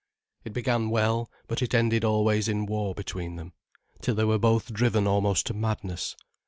It began well, but it ended always in war between them, till they were both driven almost to madness.